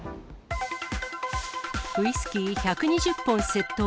ウイスキー１２０本窃盗。